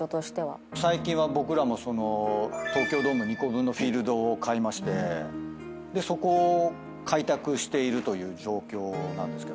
最近は僕らも東京ドーム２個分のフィールドを買いましてそこを開拓しているという状況なんですけども。